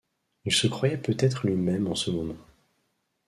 Il se croyait peut-être lui-même en ce moment.